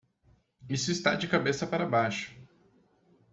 Isso está de cabeça para baixo.